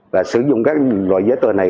và sử dụng các loại giấy tờ này